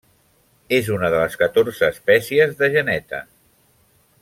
És una de les catorze espècies de geneta.